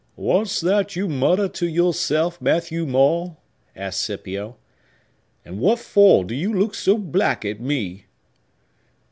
"What's that you mutter to yourself, Matthew Maule?" asked Scipio. "And what for do you look so black at me?"